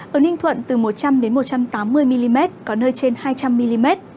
ở ninh thuận từ một trăm linh một trăm tám mươi mm có nơi trên hai trăm linh mm